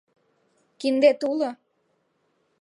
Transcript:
Киндет уло?